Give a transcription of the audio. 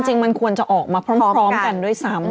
จริงมันควรจะออกมาพร้อมกันด้วยซ้ำ